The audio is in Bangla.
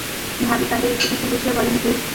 ভাবি তাদের একটু কিছু বুঝিয়ে বলেন, প্লিজ।